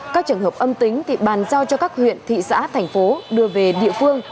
các trường hợp âm tính thì bàn giao cho các huyện thị xã thành phố đưa về địa phương